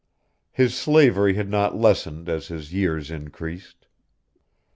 His slavery had not lessened as his years increased.